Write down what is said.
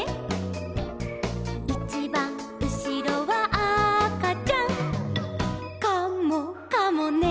「いちばんうしろはあかちゃん」「カモかもね」